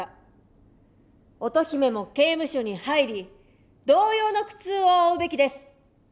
乙姫も刑務所に入り同様の苦痛を負うべきです。